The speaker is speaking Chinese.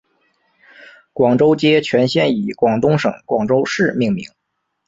广州街全线以广东省广州市命名。